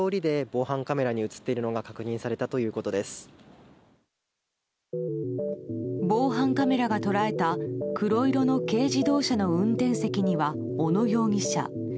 防犯カメラが捉えた黒色の軽自動車の運転席には小野容疑者。